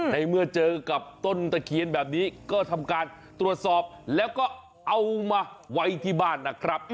ในเมื่อเจอกับต้นตะเคียนแบบนี้ก็ทำการตรวจสอบแล้วก็เอามาไว้ที่บ้านนะครับ